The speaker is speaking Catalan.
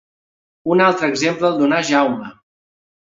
Un altre exemple el donà Jaume.